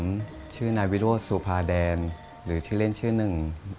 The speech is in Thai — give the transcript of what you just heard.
ชื่อนายวิโรธสุภาแดนหรือชื่อเล่นชื่อหนึ่ง